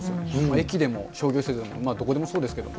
駅でも商業施設でも、どこでもそうですけど。